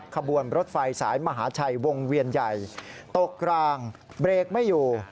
ขบวนรถไฟสายมหาชัยวงเวียนใหญ่ตกรางเบรกไม่อยู่